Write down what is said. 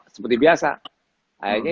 seperti biasa akhirnya